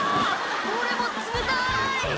俺も冷たい！」